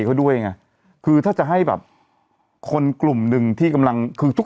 เขาด้วยไงคือถ้าจะให้แบบคนกลุ่มหนึ่งที่กำลังคือทุก